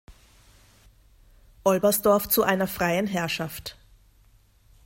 Olbersdorf zu einer Freien Herrschaft.